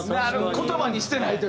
言葉にしてないというね！